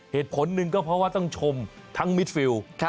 เหตุผลหนึ่งก็เพราะว่าต้องชมทั้งมิดฟิล